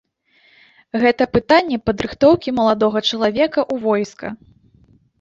Гэта пытанне падрыхтоўкі маладога чалавека ў войска.